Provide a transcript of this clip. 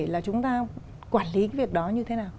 là chúng ta quản lý cái việc đó như thế nào